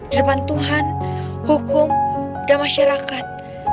herman tuhan hukum dan masyarakat